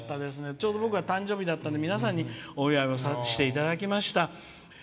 ちょうど僕は誕生日だったんで皆さんにお祝いをしていただきました。